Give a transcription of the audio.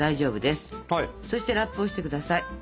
そしてラップをして下さい。